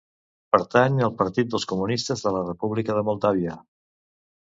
Pertany al Partit dels Comunistes de la República de Moldàvia.